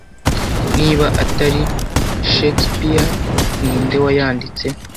Niba atari Shakespeare ninde wayanditse